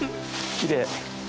きれい。